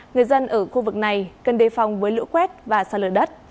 người dân ở khu vực này cần đề phòng với lũ quét và xa lở đất